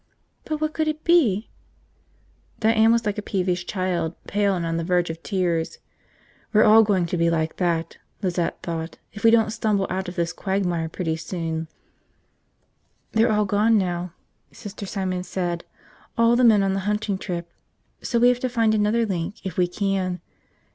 "But what could it be?" Diane was like a peevish child, pale and on the verge of tears. We're all going to be like that, Lizette thought, if we don't stumble out of this quagmire pretty soon. "They're all gone now," Sister Simon said, "all the men on the hunting trip, so we have to find another link if we can.